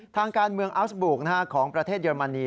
ทางการเมืองอัลสบุกของประเทศเยอรมนี